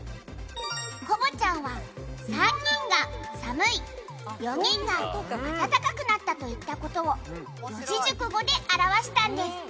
「コボちゃんは３人が寒い４人があたたかくなったと言った事を四字熟語で表したんです」